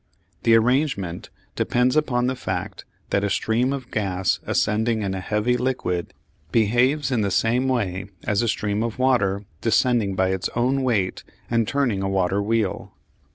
The arrangement depends upon the fact that a stream of gas ascending in a heavy liquid behaves in the same way as a stream of water descending by its own weight and turning a water wheel.